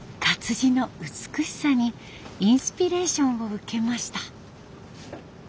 活字の美しさにインスピレーションを受けました。